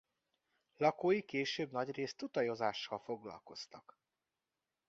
Lakói később nagyrészt tutajozással foglalkoztak.